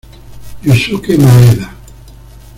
Yusuke Maeda